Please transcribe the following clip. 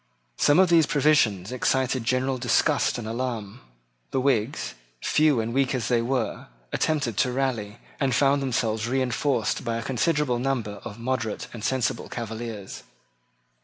Some of these provisions excited general disgust and alarm. The Whigs, few and weak as they were, attempted to rally, and found themselves reinforced by a considerable number of moderate and sensible Cavaliers.